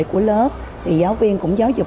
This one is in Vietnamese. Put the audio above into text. của lớp thì giáo viên cũng giáo dục